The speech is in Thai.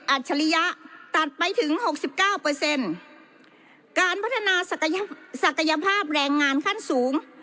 ฉริยะตัดไปถึงหกสิบเก้าเปอร์เซ็นต์การพัฒนาศักยภาพแรงงานขั้นสูง